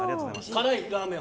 辛いラーメン